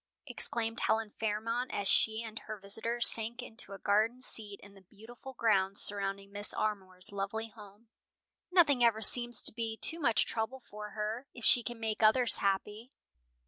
exclaimed Helen Fairmont as she and her visitor sank into a garden seat in the beautiful grounds surrounding Mrs. Armour's lovely home. "Nothing ever seems to be too much trouble for her, if she can make others happy."